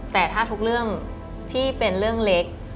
แต่ถ้าทุกเรื่องที่เป็นเรื่องเล็ก